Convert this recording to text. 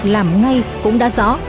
làm ngay cũng đã rõ